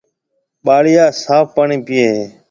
ٻاݪيا صاف پاڻِي پيئيَ ھيََََ